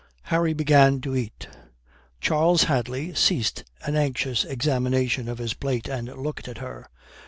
Harry began to eat. Charles Hadley ceased an anxious examination of his plate and looked at her.